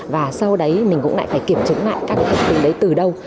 và sau đấy mình cũng lại phải kiểm chứng lại các thông tin đấy từ đâu